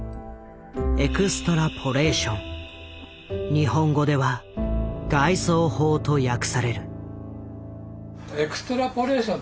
日本語では「外挿法」と訳される。